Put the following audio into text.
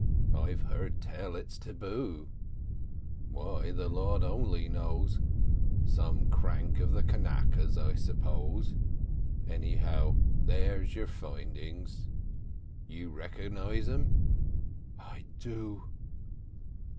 I've heard tell it's tabu; why, the Lord only knows—some crank of the Kanakas, I s'pose. Anyhow, there's the findings—you recognise them?" "I do."